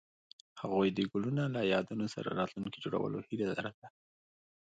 هغوی د ګلونه له یادونو سره راتلونکی جوړولو هیله لرله.